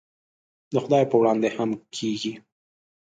د خدای په وړاندې هم کېږي.